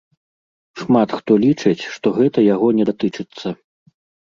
Шмат хто лічыць, што гэта яго не датычыцца.